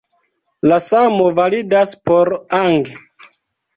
La samo validas por ang.